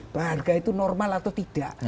bahagia itu normal atau tidak